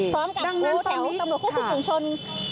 พร้อมกับวัวแถวตำรวจคุณผู้ของของชน